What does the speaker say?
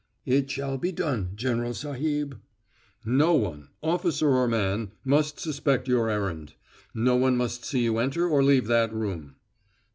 "It shall be done, General Sahib." "No one, officer or man, must suspect your errand. No one must see you enter or leave that room."